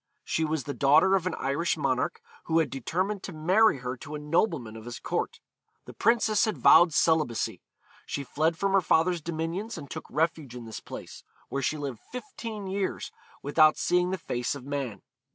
She was the daughter of an Irish monarch, who had determined to marry her to a nobleman of his court. The princess had vowed celibacy. She fled from her father's dominions, and took refuge in this place, where she lived fifteen years without seeing the face of man.